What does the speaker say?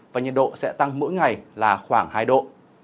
và nhiệt độ sẽ tăng mỗi ngày là khoảng hai độ